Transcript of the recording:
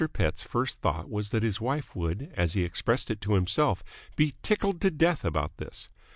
Pett's first thought was that his wife would, as he expressed it to himself, be "tickled to death about this."